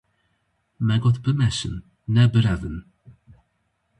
Me got bimeşin, ne birevin!